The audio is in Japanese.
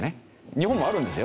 日本もあるんですよ。